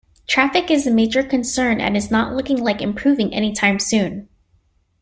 Traffic is a major concern and is not looking like improving any time soon.